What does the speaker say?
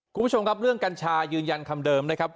คุณผู้ชมครับเรื่องกัญชายืนยันคำเดิมนะครับ